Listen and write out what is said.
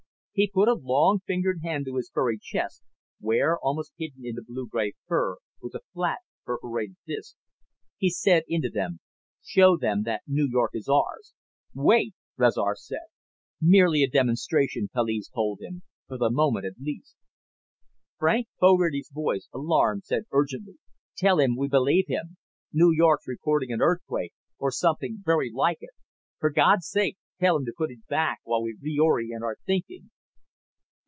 He put a long fingered hand to his furry chest where, almost hidden in the blue gray fur, was a flat perforated disk. He said into it, "Show them that New York is ours!" "Wait!" Rezar said. "Merely a demonstration," Kaliz told him, "for the moment at least." Frank Fogarty's voice, alarmed, said urgently, "Tell him we believe him. New York's reporting an earthquake, or something very like it. For God's sake tell him to put it back while we reorient our thinking."